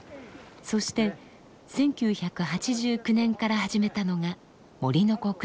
そして１９８９年から始めたのが森の子クラブでした。